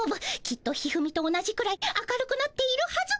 きっと一二三と同じくらい明るくなっているはず。